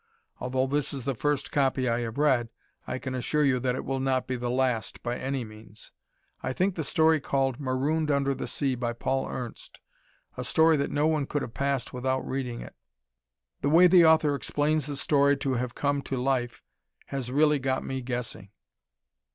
Although this is the first copy I have read, I can assure you that it will not be the last, by any means. I think the story called "Marooned Under the Sea," by Paul Ernst, a story that no one could have passed without reading it. The way the author explains the story to have come to life has really got me guessing.